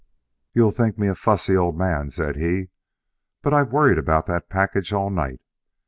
"You'll think me a fussy old man," said he, "but I've worried about that package all night.